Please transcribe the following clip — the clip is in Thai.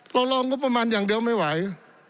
รองงบประมาณอย่างเดียวไม่ไหว